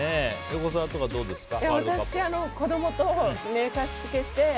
横澤とかどうですか？